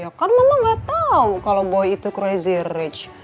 ya kan memang nggak tahu kalau boy itu crazy rich